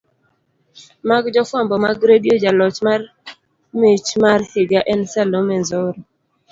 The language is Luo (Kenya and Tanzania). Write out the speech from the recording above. mag jofwambo mag redio jaloch mar mich mar higa en Salome Dzoro